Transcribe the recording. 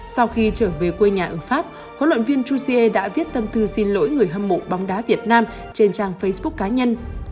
sau khi trở về quê nhà ở pháp huấn luyện viên jose đã viết tâm thư xin lỗi người hâm mộ bóng đá việt nam trên trang facebook cá nhân